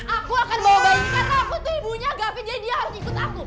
aku akan bawa bayi karena aku tuh ibunya gap jadi dia harus ikut aku